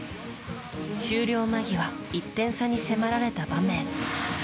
終了間際、１点差に迫られた場面。